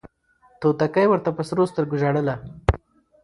توتکۍ ورته په سرو سترګو ژړله